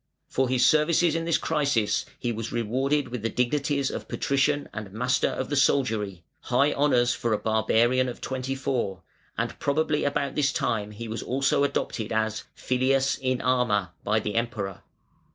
For his services in this crisis he was rewarded with the dignities of Patrician and Master of the Soldiery, high honours for a barbarian of twenty four; and probably about this time he was also adopted as "filius in arma" by the Emperor.